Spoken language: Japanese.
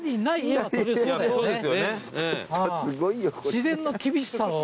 自然の厳しさを。